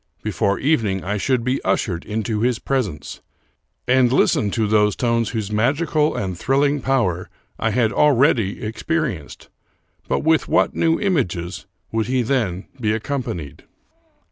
Before evening I should be ushered into his presence, and listen to those tones whose magical and thrilling power I had already experienced. But with what new images would he then be accompanied?